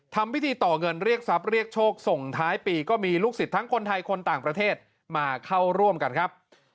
ทำพิธีต่อเงินเรียกทรัพย์เรียกโชคส่งท้ายปีก็มีลูกศิษย์ทั้งคนไทยคนต่างประเทศมาเข้าร่วมกันครับ